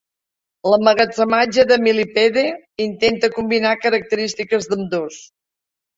L'emmagatzematge de Millipede intenta combinar característiques d'ambdós.